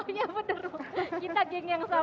punya bener kita geng yang sama